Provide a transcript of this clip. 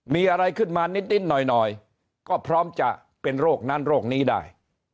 มีอะไรขึ้นมานิดหน่อยก็พร้อมจะเป็นโรคนั้นโรคนี้ได้